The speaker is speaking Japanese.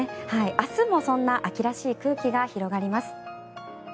明日もそんな秋らしい空気が広がります。